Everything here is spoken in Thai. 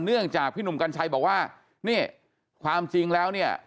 เนื่องจากพี่หนุ่มกัญชัยบอกว่านี่ความจริงแล้วเนี่ย